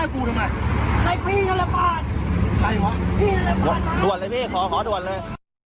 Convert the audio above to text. ตรวจเลยตรวจเลย